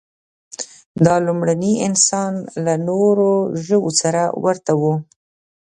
دا لومړني انسانان له نورو ژوو سره ورته وو.